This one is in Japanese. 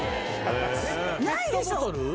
ないでしょ？